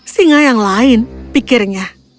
singa yang lain pikirnya